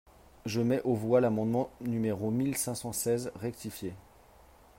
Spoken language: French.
Je mets aux voix l’amendement numéro mille cinq cent seize rectifié.